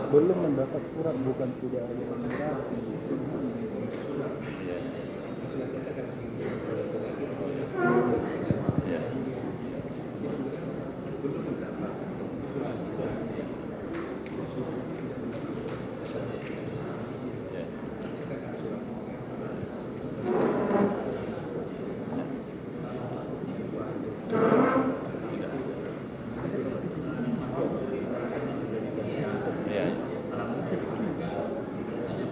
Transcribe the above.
belum mendapat surat bukan sudah